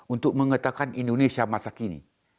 untuk mengatakan indonesia masa kini